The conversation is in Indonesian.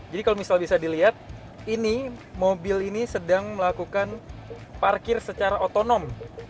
jadi kalau misal bisa dilihat mobil ini sedang melakukan parkir secara otonom